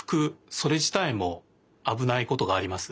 それじたいもあぶないことがあります。